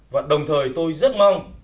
và đồng thời tôi rất mong